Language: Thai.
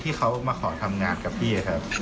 ที่เขามาขอทำงานกับพี่ครับ